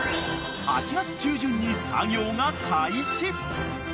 ［８月中旬に作業が開始］